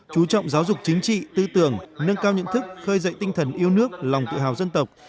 chú trọng giáo dục chính trị tư tưởng nâng cao nhận thức khơi dậy tinh thần yêu nước lòng tự hào dân tộc